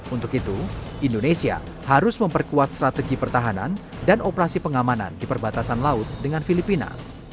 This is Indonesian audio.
untuk itu indonesia harus memperkuat strategi pertahanan dan operasi pengamanan di perbatasan laut dengan filipina